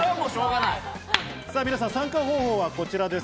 参加方法はこちらです。